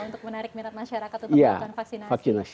untuk menarik minat masyarakat untuk melakukan vaksinasi